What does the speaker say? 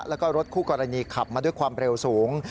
แล้วก็รถคู่กรณีขับมาด้วยความเร็วสูง